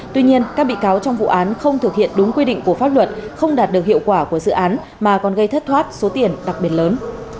tuy nhiên các bị cáo trong vụ án không thực hiện đúng quy định của pháp luật không đạt được hiệu quả của dự án mà còn gây thất thoát số tiền đặc biệt lớn